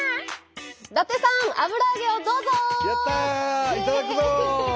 「伊達さん油揚げをどうぞ」！